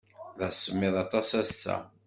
D asemmiḍ aṭas ass-a.